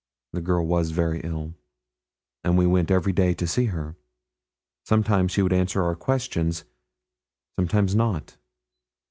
The girl was very ill, and we went every day to see her. Sometimes she would answer our questions sometimes not.